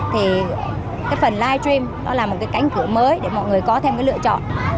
thì cái phần live stream nó là một cái cánh cửa mới để mọi người có thêm cái lựa chọn